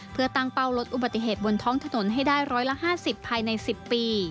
เพื่อตั้งเป้าลดอุบัติเหตุบนท้องถนนให้ได้๑๕๐ภายใน๑๐ปี